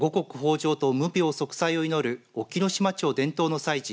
じょうと無病息災を祈る隠岐の島町伝統の祭事